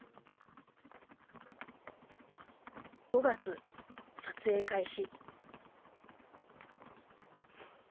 ５月撮影開始。